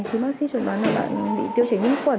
thì bác sĩ chuẩn đoán là bạn bị tiêu chảy nguyên quẩn